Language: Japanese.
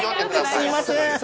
すみません。